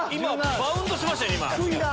バウンドしましたよね